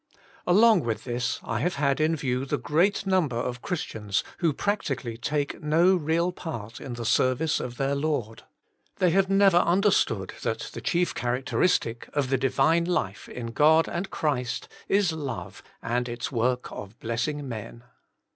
Along with this I have had in view the 6 Introduction great number of Christians who practically take no real part in the service of their Lord. They have never understood that the chief characteristic of the Divine life in God and Christ is love and its work of blessing men.